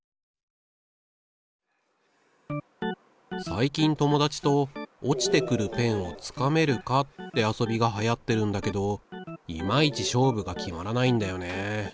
最近友達と落ちてくるペンをつかめるかって遊びがはやってるんだけどいまいち勝負が決まらないんだよね。